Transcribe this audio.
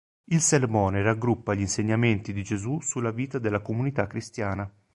Il sermone raggruppa gli insegnamenti di Gesù sulla vita della comunità cristiana.